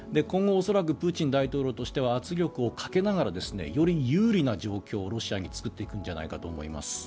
今後、恐らくプーチン大統領としては圧力をかけながらより有利な状況をロシアに作っていくんじゃないかなと思います。